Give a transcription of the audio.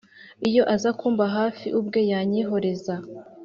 iyo aza kumba hafi ubwe yanyihoreza